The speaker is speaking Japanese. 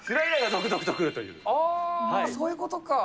ああー、そういうことか。